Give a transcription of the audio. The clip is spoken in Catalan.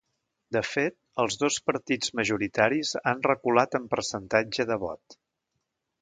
De fet, els dos partits majoritaris han reculat en percentatge de vot.